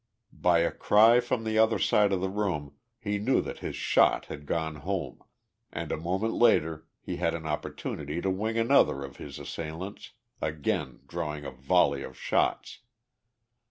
By a cry from the other side of the room he knew that his shot had gone home, and a moment later he had an opportunity to wing another of his assailants, again drawing a volley of shots.